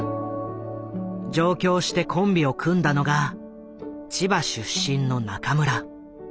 上京してコンビを組んだのが千葉出身の中村。